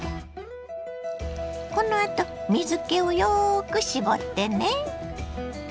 このあと水けをよく絞ってね。